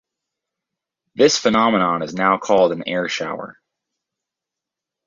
This phenomenon is now called an air shower.